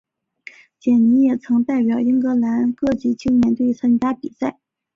简尼也曾代表英格兰各级青年队参加比赛。